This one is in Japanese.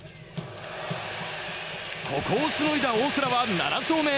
ここをしのいだ大瀬良は７勝目。